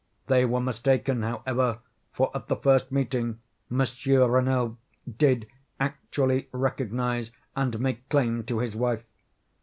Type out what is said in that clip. They were mistaken, however, for, at the first meeting, Monsieur Renelle did actually recognize and make claim to his wife.